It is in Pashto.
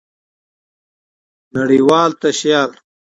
نړۍوال تشيال